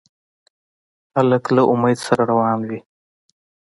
هلک له امید سره روان وي.